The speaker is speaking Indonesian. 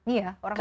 iya orang tau